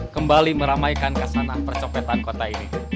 kembali meramaikan kasanah percopetan kota ini